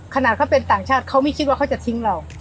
ขนาดเขาเป็นต่างชาติเขาไม่คิดว่าเขาจะทิ้งเรา